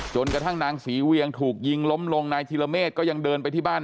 กระทั่งนางศรีเวียงถูกยิงล้มลงนายธิรเมฆก็ยังเดินไปที่บ้าน